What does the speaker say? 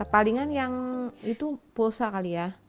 palingan yang itu pulsa kali ya